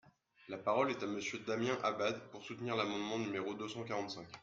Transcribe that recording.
La parole est à Monsieur Damien Abad, pour soutenir l’amendement numéro deux cent quarante-cinq.